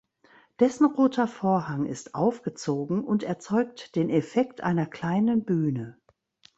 Dessen roter Vorhang ist aufgezogen und erzeugt den Effekt einer kleinen Bühne.